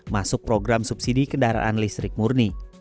masuk program subsidi kendaraan listrik murni